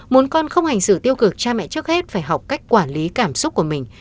muốn con không hành xử tiêu cực cha mẹ trước hết phải học cách quản lý cảm xúc của mình